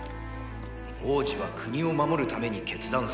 王子は国を守るために決断されたのだ。